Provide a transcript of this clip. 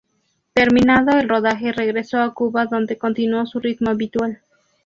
Terminado el rodaje regresó a Cuba donde continuó su ritmo habitual.